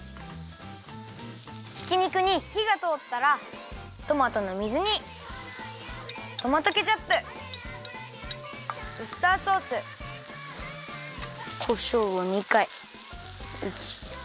ひき肉にひがとおったらトマトの水煮トマトケチャップウスターソースこしょうを２かい。